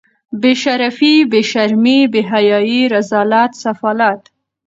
بې شرفي بې شرمي بې حیايي رذالت سفالت